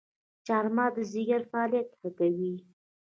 چارمغز د ځیګر فعالیت ښه کوي.